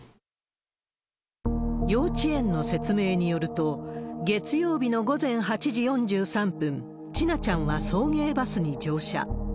幼稚園の説明によると、月曜日の午前８時４３分、千奈ちゃんは送迎バスに乗車。